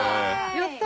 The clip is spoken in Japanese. やった！